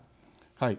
はい。